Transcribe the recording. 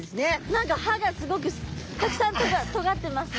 何か歯がすごくたくさん尖ってますね。